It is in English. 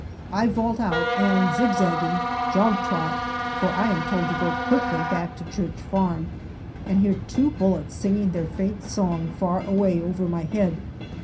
I vault out and, zigzagging, jog trot, for I am told to go quickly back to Church Farm, and hear two bullets singing their faint song far away over my head.